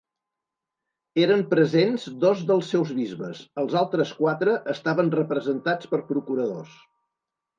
Eren presents dos dels seus bisbes, els altres quatre estaven representats per procuradors.